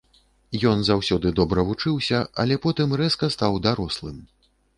Ён заўсёды добра вучыўся, але потым рэзка стаў дарослым.